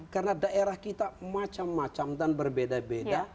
karena daerah kita macam macam dan berbeda beda